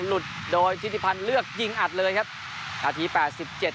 หลุดโดยทิศิพันธ์เลือกยิงอัดเลยครับนาทีแปดสิบเจ็ด